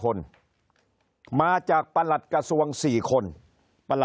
คนในวงการสื่อ๓๐องค์กร